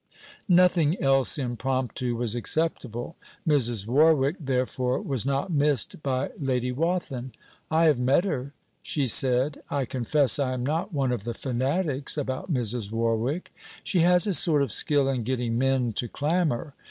Nothing else impromptu was acceptable. Mrs. Warwick therefore was not missed by Lady Wathin. 'I have met her,' she said. 'I confess I am not one of the fanatics about Mrs. Warwick. She has a sort of skill in getting men to clamour.